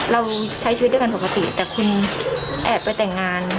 เราใช้ชีวิตด้วยกันปกติแต่คุณแอบไปแต่งงาน